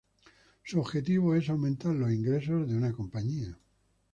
Su objetivo es aumentar los ingresos de una compañía.